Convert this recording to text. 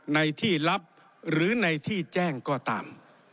ในที่ลับหรือในที่แจ้งก็ตาม